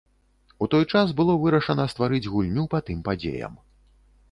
У той час было вырашана стварыць гульню па тым падзеям.